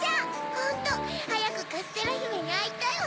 ホントはやくカステラひめにあいたいわ。